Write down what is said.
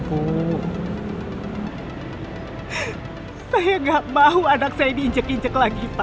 masalahnya pasti kelamin jadi miskin yang rash gitu